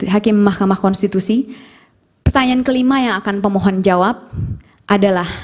hakim mahkamah konstitusi pertanyaan kelima yang akan pemohon jawab adalah